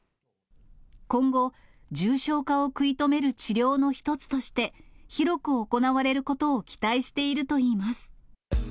今後、重症化を食い止める治療の一つとして、広く行われることを期待しているといいます。